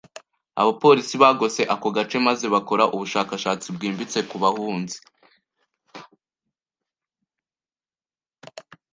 Abapolisi bagose ako gace maze bakora ubushakashatsi bwimbitse ku bahunze.